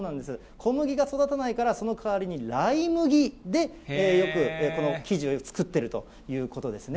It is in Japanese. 小麦が育たないから、その代わりにライ麦で、よくこの生地を作っているということですね。